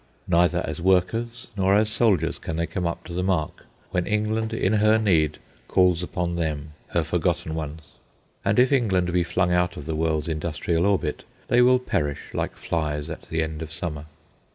Neither as workers nor as soldiers can they come up to the mark when England, in her need, calls upon them, her forgotten ones; and if England be flung out of the world's industrial orbit, they will perish like flies at the end of summer.